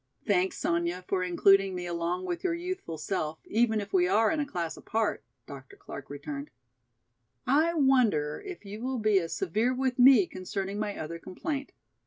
"Thanks, Sonya, for including me along with your youthful self, even if we are in a class apart," Dr. Clark returned. "I wonder if you will be as severe with me concerning my other complaint.